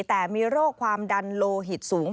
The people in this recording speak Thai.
แต่มีโรคความดันโลหิตสูง